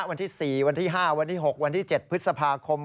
วันที่๔วันที่๕วันที่๖วันที่๗พฤษภาคม